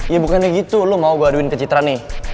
ya bukannya gitu lo mau gaduhin ke citra nih